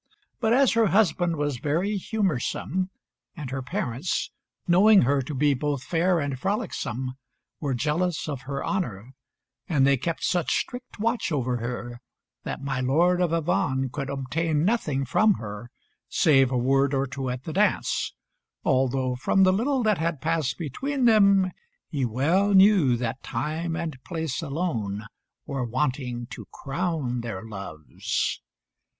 But as her husband was very humorsome, and her parents, knowing her to be both fair and frolicsome, were jealous of her honour, they kept such strict watch over her that my Lord of Avannes could obtain nothing from her save a word or two at the dance, although, from the little that had passed between them, he well knew that time and place alone were wanting to crown their loves.